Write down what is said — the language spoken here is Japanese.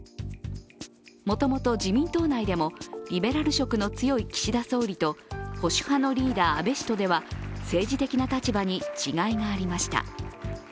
もともと自民党内でもリベラル色の強い岸田総理と保守派のリーダー、安倍氏とでは政治的な立場に違いがありました。